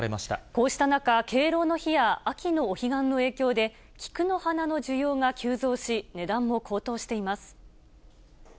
こうした中、敬老の日や秋のお彼岸の影響で、菊の花の需要が急増し、値段も高騰しています。